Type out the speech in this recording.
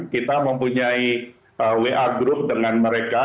kita mempunyai wa group dengan mereka